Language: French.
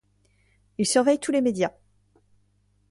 Il surveille tous les médias.